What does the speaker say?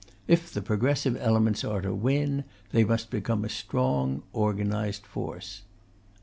If the progressive elements are to win, they must become a strong organized force.